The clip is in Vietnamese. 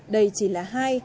đây chỉ là hai